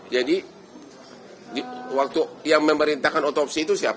jadi waktu yang memerintahkan otopsi itu siapa